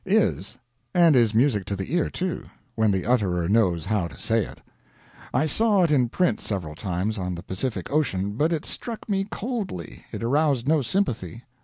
is, and is music to the ear, too, when the utterer knows how to say it. I saw it in print several times on the Pacific Ocean, but it struck me coldly, it aroused no sympathy.